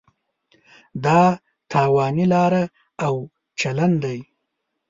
دا تاواني لاره او چلن دی.